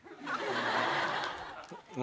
何？